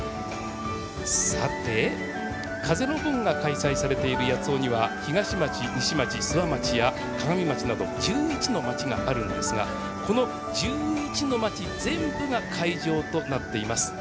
さて、風の盆が開催されている八尾には、東町、西町、諏訪町や鏡町など１１の町があるんですがこの１１の町、全部が会場となっています。